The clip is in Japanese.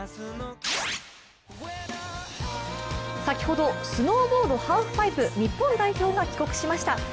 先ほどスノーボードハーフパイプ日本代表が帰国しました。